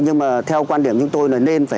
nhưng mà theo quan điểm chúng tôi là nên